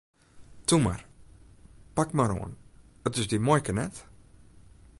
Toe mar, pak mar oan, it is dyn muoike net!